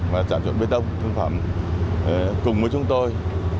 và trạm chuẩn bê tông thương phẩm cùng với chúng tôi